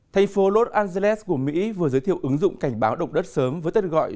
thành phố los angeles của mỹ vừa giới thiệu ứng dụng cảnh báo động đất sớm với tên gọi